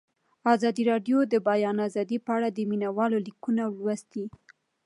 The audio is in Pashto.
ازادي راډیو د د بیان آزادي په اړه د مینه والو لیکونه لوستي.